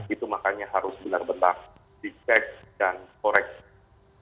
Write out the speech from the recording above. itu makanya harus benar benar dicek dan koreksi